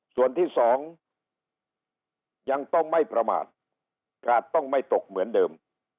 ส่วนที่สองยังต้องไม่ประมาทกาดต้องไม่ตกเหมือนเดิม